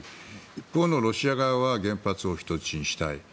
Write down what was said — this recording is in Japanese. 一方のロシア側は原発を人質にしたい。